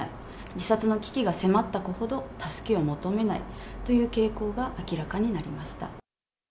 自殺の危機が迫った子ほど助けを求めないという傾向が明らかになりました。